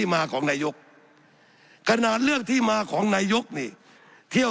สับขาหลอกกันไปสับขาหลอกกันไปสับขาหลอกกันไป